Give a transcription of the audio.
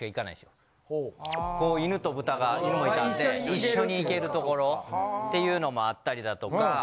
こう犬と豚が犬もいたんで一緒に行ける所っていうのもあったりだとか。